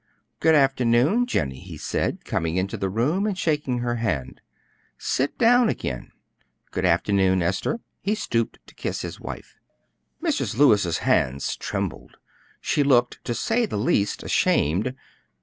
"Good afternoon, Jennie," he said, coming into the room and shaking her hand; "sit down again. Good afternoon Esther;" he stooped to kiss his wife. Mrs. Lewis's hands trembled; she looked, to say the least, ashamed.